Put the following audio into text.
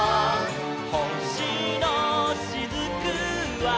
「ほしのしずくは」